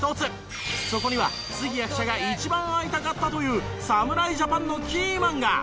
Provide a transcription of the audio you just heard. そこには杉谷記者が一番会いたかったという侍ジャパンのキーマンが。